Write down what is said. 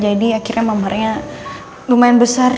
jadi akhirnya mamarnya lumayan besar